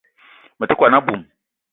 Me te kwuan a-bum